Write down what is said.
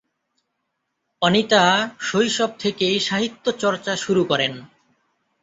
অনিতা শৈশব থেকেই সাহিত্যচর্চা শুরু করেন।